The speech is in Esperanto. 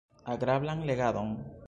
Agrablan legadon!